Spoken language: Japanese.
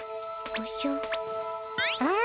おじゃっ。